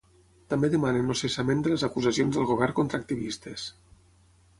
També demanen el cessament de les acusacions del govern contra activistes.